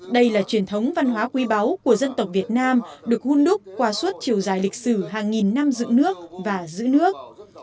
đây là truyền thống văn hóa quý báu của dân tộc việt nam được hôn đúc qua suốt chiều dài lịch sử hàng nghìn năm dựng nước và giữ nước